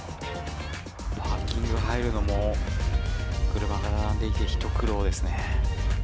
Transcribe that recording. パーキング入るのも、車が並んでいて一苦労ですね。